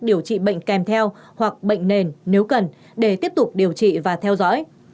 điều trị bệnh kèm theo hoặc bệnh nền nếu cần để tiếp tục điều trị và theo dõi